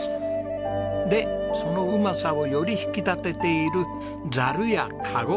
でそのうまさをより引き立てているザルやカゴ